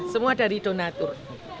semua dari donatur